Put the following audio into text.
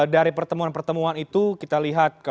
dari pertemuan pertemuan itu kita lihat